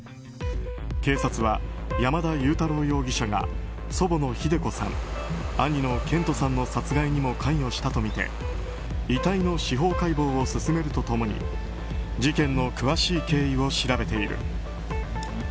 警察は山田悠太郎容疑者が祖母の秀子さん兄の健人さんの殺害にも関与したとみて遺体の司法解剖を進めると共に事件の詳しい経緯を調べている。